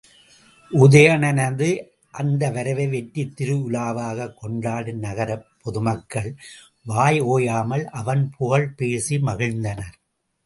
உதயணனது அந்த வரவை வெற்றித் திருஉலாவாகக் கொண்டாடும் நகரப் பெருமக்கள் வாய் ஓயாமல் அவன் புகழ் பேசி மகிழ்ந்தனர்.